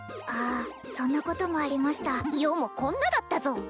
ああそんなこともありました余もこんなだったぞ